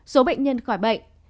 số bệnh nhân khỏi bệnh